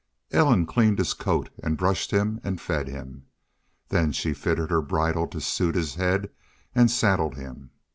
Ellen cleaned his coat and brushed him and fed him. Then she fitted her bridle to suit his head and saddled him.